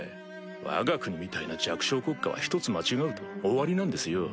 わが国みたいな弱小国家は一つ間違うと終わりなんですよ。